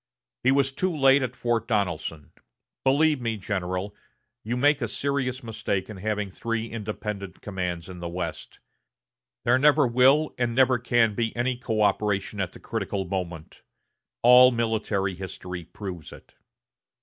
He was too late at Fort Donelson.... Believe me, General, you make a serious mistake in having three independent commands in the West. There never will and never can be any coöperation at the critical moment; all military history proves it."